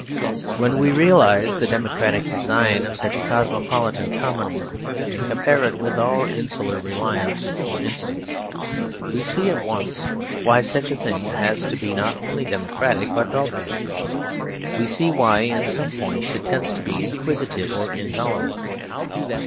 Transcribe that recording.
When we realise the democratic design of such a cosmopolitan commonwealth, and compare it with our insular reliance or instincts, we see at once why such a thing has to be not only democratic but dogmatic. We see why in some points it tends to be inquisitive or intolerant.